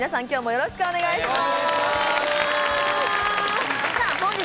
よろしくお願いします。